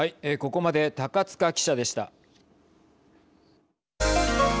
ここまで高塚記者でした。